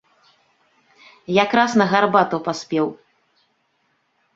Якраз на гарбату паспеў.